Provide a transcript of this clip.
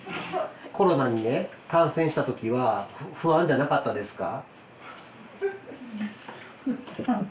コロナに感染した時は不安じゃなかったですか？